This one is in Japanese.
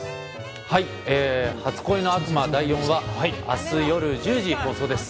『初恋の悪魔』第４話、明日夜１０時放送です。